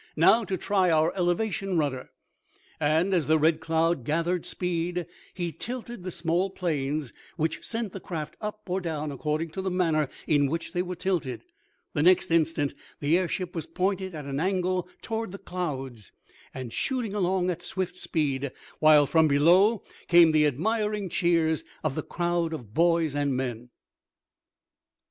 "Now to try our elevation rudder," and, as the Red Cloud gathered speed, he tilted the small planes which sent the craft up or down, according to the manner in which they were tilted. The next instant the airship was pointed at an angle toward the clouds, and shooting along at swift speed, while, from below came the admiring cheers of the crowd of boys and men.